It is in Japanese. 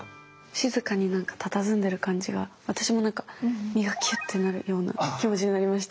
静かにたたずんでる感じが私もなんか身がきゅってなるような気持ちになりました。